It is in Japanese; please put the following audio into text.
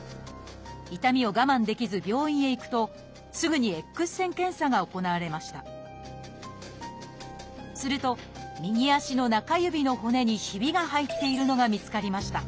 痛みを我慢できず病院へ行くとすぐにＸ線検査が行われましたすると右足の中指の骨にひびが入っているのが見つかりました。